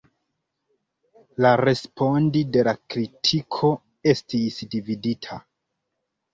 La respondi de la kritiko estis dividita.